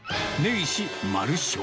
ねぎし丸昇。